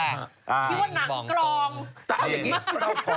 คิดว่าหนังกรอง